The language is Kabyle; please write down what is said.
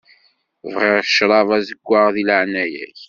Bɣiɣ ccṛab azeggaɣ di leɛnaya-k.